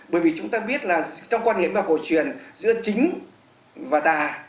bởi vì chúng ta biết là trong quan điểm mà cổ truyền giữa chính và tà